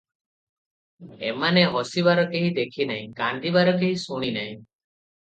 ଏମାନେ ହସିବାର କେହି ଦେଖି ନାହିଁ, କାନ୍ଦିବାର କେହି ଶୁଣି ନାହିଁ ।